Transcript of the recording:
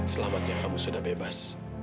selamat ya kamu sudah bebas